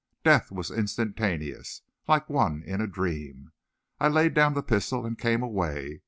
Death was instantaneous. Like one in a dream, I laid down the pistol, and came away.